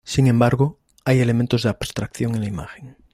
Sin embargo, hay elementos de abstracción en la imagen.